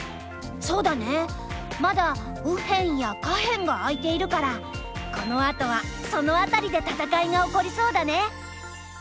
そうだねまだ右辺や下辺が空いているからこのあとはその辺りで戦いが起こりそうだね。